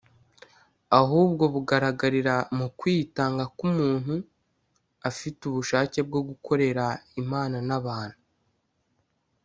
ahubwo bugaragarira mu kwitanga kw’umuntu afite ubushake bwo gukorera imana n’abantu